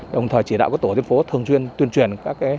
đồng thời chỉ đạo các tổ dân phố thường xuyên tuyên truyền